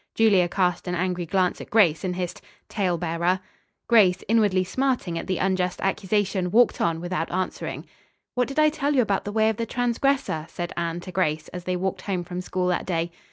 Julia cast an angry glance at Grace, and hissed, "tale bearer." Grace, inwardly smarting at the unjust accusation walked on without answering. "What did I tell you about the way of the transgressor?" said Anne to Grace, as they walked home from school that day.